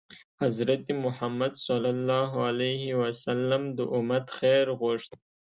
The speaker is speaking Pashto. حضرت محمد ﷺ د امت خیر غوښت.